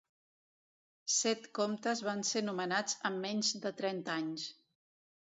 Set comtes van ser nomenats en menys de trenta anys.